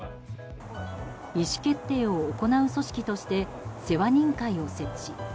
意思決定を行う組織として世話人会を設置。